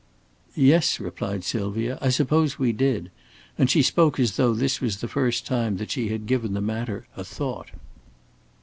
"Yes," replied Sylvia, "I suppose we did," and she spoke as though this was the first time that she had given the matter a thought.